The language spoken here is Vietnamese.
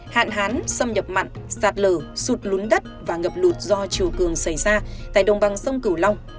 hạn hán xâm nhập mặn sạt lờ sụt lún đất và ngập lụt do chiều cường xảy ra tại đồng bằng sông cửu long